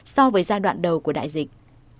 so với giai đoạn đầu của đại dịch